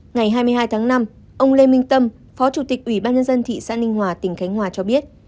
ngày hai mươi hai tháng năm ông lê minh tâm phó chủ tịch ủy ban nhân dân thị xã ninh hòa tỉnh khánh hòa cho biết